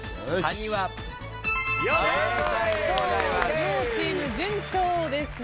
両チーム順調ですね。